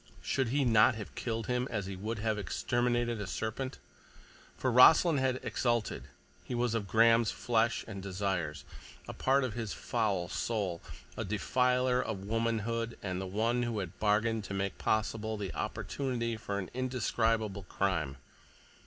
Should he not have killed him, as he would have exterminated a serpent? For Rossland had exulted; he was of Graham's flesh and desires, a part of his foul soul, a defiler of womanhood and the one who had bargained to make possible the opportunity for an indescribable crime.